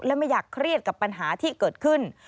และไม่อยากเครียดกับปัญหาที่เกิดขึ้น